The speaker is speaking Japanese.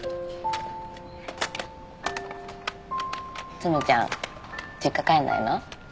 つむちゃん実家帰んないの？